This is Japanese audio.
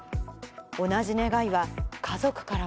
同じ願いは家族からも。